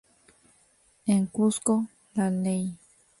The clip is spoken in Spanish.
En Cusco: La Ley.